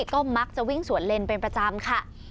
ก็มักจะวิ่งสวนเลนเป็นประจำค่ะ